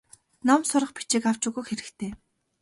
Ном сурах бичиг авч өгөх хэрэгтэй.